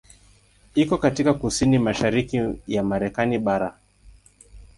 Iko katika kusini mashariki ya Marekani bara.